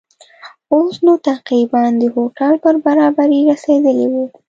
اوس نو تقریباً د هوټل پر برابري رسېدلي وو.